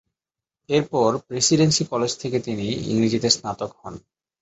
এরপর প্রেসিডেন্সি কলেজ থেকে তিনি ইংরেজিতে স্নাতক হন।